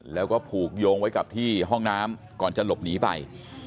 แล้วก็ผูกโยงไว้กับที่ห้องน้ำก่อนจะหลบหนีไป